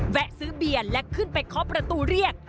แวะซื้อเบียนและขึ้นไปคอประตูเรียก